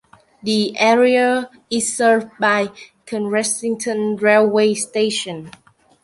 The area is served by Cressington railway station.